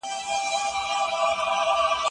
په قلم لیکنه کول د ټولني د پرمختګ څرخ ګرځوي.